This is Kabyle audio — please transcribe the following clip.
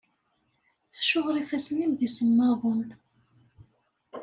Acuɣer ifassen-im d isemmaḍen?